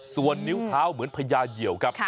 ส่วนนิ้วเท้าเหมือนพญาเหี่ยวครับ